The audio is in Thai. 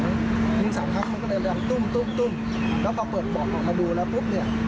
ยิงสามคันเขาก็เลยเริ่มตุ้มตุ้มตุ้มแล้วพอเปิดปอดออกมาดูแล้วปุ๊บเนี้ย